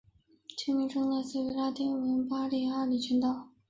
其名称来自于拉丁文的巴利阿里群岛。